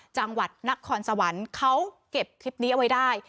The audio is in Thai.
จังหวัดนครสวรรค์เขาเก็บคลิปนี้เอาไว้ได้